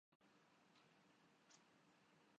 ان کی تاریخ کا جائزہ لیتے ہیں